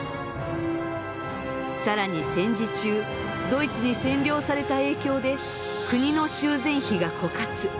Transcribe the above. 更に戦時中ドイツに占領された影響で国の修繕費が枯渇。